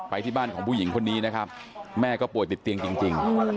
ที่บ้านของผู้หญิงคนนี้นะครับแม่ก็ป่วยติดเตียงจริง